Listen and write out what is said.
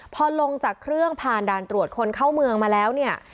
พอลงจากเครื่องผ่านด่านตรวจคนเข้าเมืองมาแล้วเนี่ย